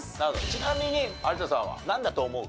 ちなみに有田さんはなんだと思う？